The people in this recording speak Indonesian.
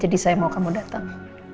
saya mau kamu datang